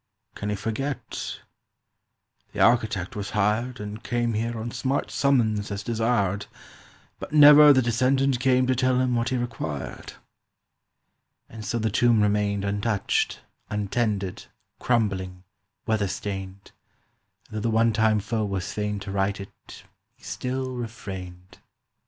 —Can he forget? "The architect was hired And came here on smart summons as desired, But never the descendant came to tell him What he required." And so the tomb remained Untouched, untended, crumbling, weather stained, And though the one time foe was fain to right it He still refrained.